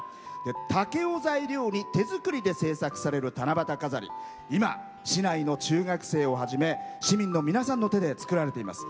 竹を材料に手作りで制作される七夕飾り、今、市内の中学生をはじめ市民の皆さんの手で作られています。